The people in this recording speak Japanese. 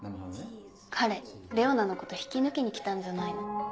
彼レオナのこと引き抜きに来たんじゃないの？